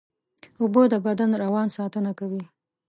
اوبه د بدن روان ساتنه کوي